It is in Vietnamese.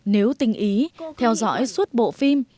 nếu tình ý theo dõi suốt bộ phim